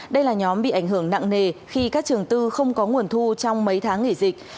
đây là nhóm bị ảnh hưởng nặng nề khi các trường tư không có nguồn thu trong mấy tháng nghỉ dịch